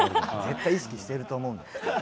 絶対意識してると思う。